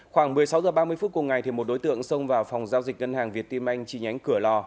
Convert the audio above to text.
khoảng một mươi sáu h ba mươi phút cùng ngày một đối tượng xông vào phòng giao dịch ngân hàng việt tim anh chi nhánh cửa lò